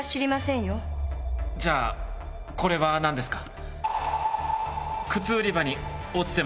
じゃあこれは何ですか？